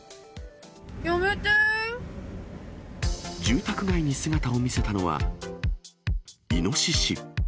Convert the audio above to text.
住宅街に姿を見せたのは、イノシシ。